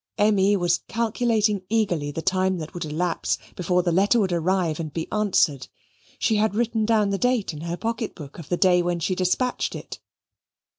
Emmy was calculating eagerly the time that would elapse before the letter would arrive and be answered. She had written down the date in her pocket book of the day when she dispatched it.